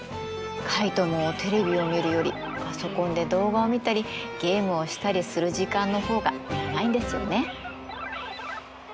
カイトもテレビを見るよりパソコンで動画を見たりゲームをしたりする時間の方が長いんですよね。